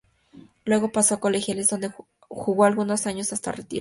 Luego pasó a Colegiales donde jugó algunos años hasta el retiro.